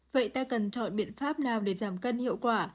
vậy ta cần chọn biện pháp nào để giảm cân hiệu quả